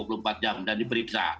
satu x dua puluh empat jam dan diperiksa